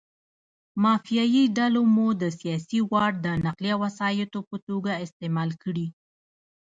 مافیایي ډلې مو د سیاسي واټ د نقلیه وسایطو په توګه استعمال کړي.